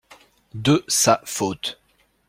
De sa faute.